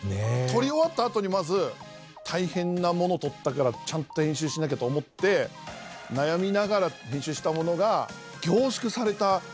撮り終わった後にまず「大変なものを撮ったからちゃんと編集しなきゃ」と思って悩みながら編集したものが凝縮された２２２３